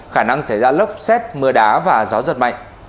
khả năng xảy ra lốc xét mưa đá và gió giật mạnh